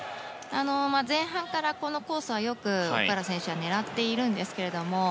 前半からこのコースはよく奥原選手は狙っているんですけれども。